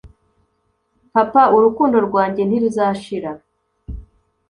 papa, urukundo rwanjye ntiruzashira